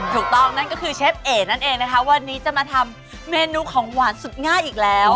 นั่นก็คือเชฟเอ๋นั่นเองนะคะวันนี้จะมาทำเมนูของหวานสุดง่ายอีกแล้ว